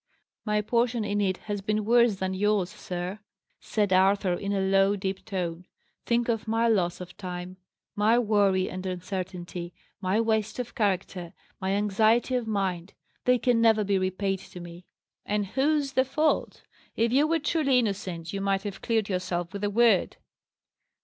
"My portion in it has been worse than yours, sir," said Arthur, in a low, deep tone. "Think of my loss of time; my worry and uncertainty; my waste of character; my anxiety of mind: they can never be repaid to me." "And whose the fault? If you were truly innocent, you might have cleared yourself with a word."